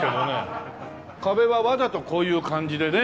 壁はわざとこういう感じでね。